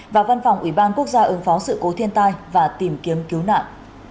và văn phòng ủy ban quốc gia ứng phó sự cố thiên tai và tìm kiếm cứu nạn